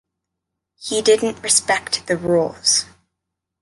He didn’t respect the rules.